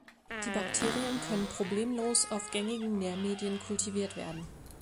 Die Bakterien können problemlos auf gängigen Nährmedien kultiviert werden.